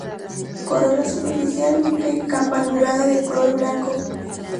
Corola superficialmente campanulada de color blanco.